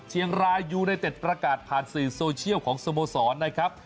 เชียงรายยูไนเต็ดประกาศผ่านสื่อโซเชียลของสโมสรนะครับ